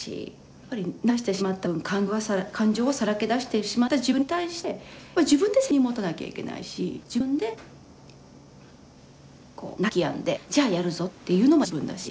やっぱり泣きだしてしまった自分感情をさらけ出してしまった自分に対して自分で責任持たなきゃいけないし自分でこう泣きやんでじゃあやるぞっていうのもやっぱり自分だし。